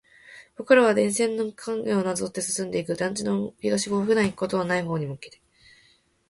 僕らは電線の影をなぞって進んでいく。団地の東側、普段行くことはない方に向けて。